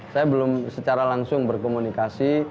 saya belum secara langsung berkomunikasi